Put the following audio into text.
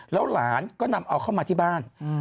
แล้วหลานก็นำเอาเข้ามาที่บ้าน